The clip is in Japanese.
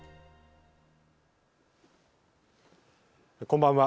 こんばんは。